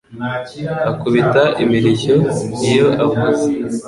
akubita imirishyo iyo avuza.